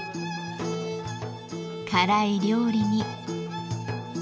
辛い料理に。